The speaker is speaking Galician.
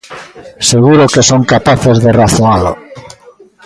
Seguro que son capaces de razoalo.